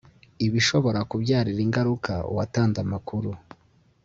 ibishobora kubyarira ingaruka uwatanze amakuru